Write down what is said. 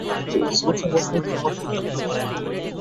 Please, উঠে বসে একটু কথা বলো আমার সাথে!